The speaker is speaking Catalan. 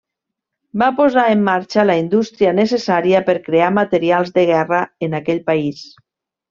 Va posar en marxa la indústria necessària per crear materials de guerra en aquell país.